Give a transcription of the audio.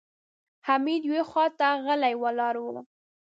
حميد يوې خواته غلی ولاړ و.